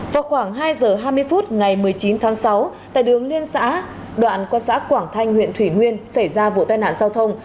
vào khoảng hai giờ hai mươi phút ngày một mươi chín tháng sáu tại đường liên xã đoạn qua xã quảng thanh huyện thủy nguyên xảy ra vụ tai nạn giao thông